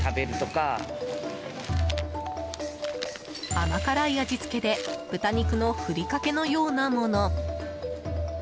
甘辛い味付けで豚肉のふりかけのようなもの。